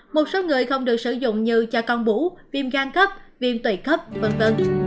một số người không được sử dụng như cho con bú viêm gan cấp viêm tủy cấp v v